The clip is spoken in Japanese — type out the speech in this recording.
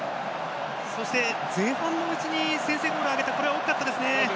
そして、前半のうちに先制ゴールを挙げたこれは大きかったですね。